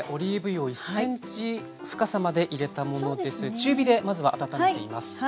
中火でまずは温めています。